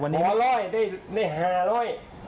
ดีมาร้อยได้หมาร้อย